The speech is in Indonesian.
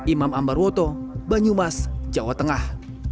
imam ambarwoto banyumas jawa tengah